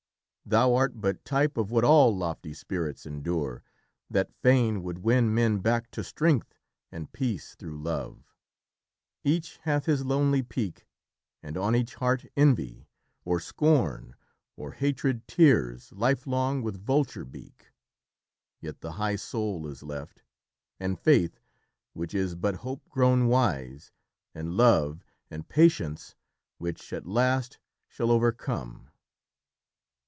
thou art but type Of what all lofty spirits endure that fain Would win men back to strength and peace through love: Each hath his lonely peak, and on each heart Envy, or scorn or hatred tears lifelong With vulture beak; yet the high soul is left; And faith, which is but hope grown wise, and love And patience, which at last shall overcome."